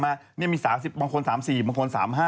มังคนและอัตเป็นบางคนนับได้อยู่กับบางคนนับ